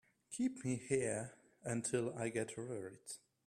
Keep me here until I get over it.